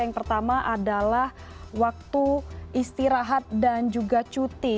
yang pertama adalah waktu istirahat dan juga cuti